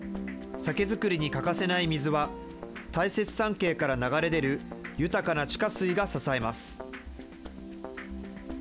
酒造りに欠かせない水は、大雪山系から流れ出る豊かな地下水が支えます。